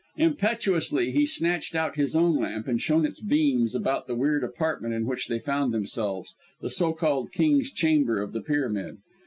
Impetuously he snatched out his own lamp and shone its beams about the weird apartment in which they found themselves the so called King's Chamber of the pyramid.